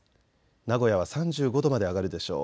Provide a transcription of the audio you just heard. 名古屋は３５度まで上がるでしょう。